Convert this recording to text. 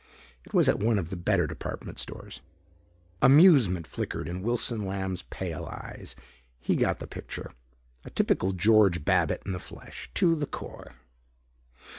It was at one of the better department stores. Amusement flickered in Wilson Lamb's pale eyes. He got the picture. A typical George Babbitt in the flesh. To the core.